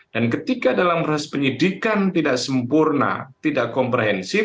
dan ketika dalam proses penyidikan tidak sempurna tidak komprehensif